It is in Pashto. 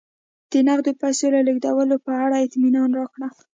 د نغدو پیسو د لېږلو په اړه اطمینان راکړه